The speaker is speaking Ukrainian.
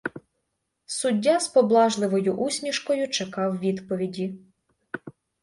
Суддя з поблажливою усмішкою чекав відповіді.